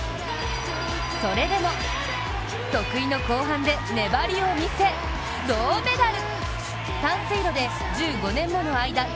それでも得意の後半で粘りを見せ銅メダル。